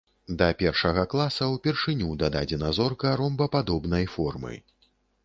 Да першага класа ўпершыню дададзена зорка ромбападобнай формы.